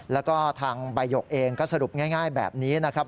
แล้วก็ทางใบหยกเองก็สรุปง่ายแบบนี้นะครับ